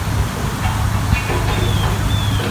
رومي بانجان خواږه نه دي.